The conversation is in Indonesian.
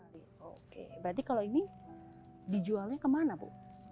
oke berarti kalau ini dijualnya kemana bu